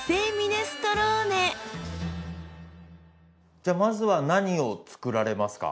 じゃあまずは何を作られますか？